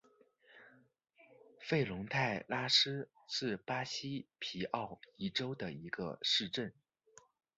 弗龙泰拉斯是巴西皮奥伊州的一个市镇。